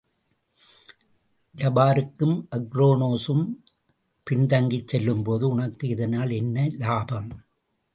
ஜபாரக்கும் அக்ரோனோசும் பின் தங்கிச் செல்லும்போது, உனக்கு இதனால் என்ன இலாபம்?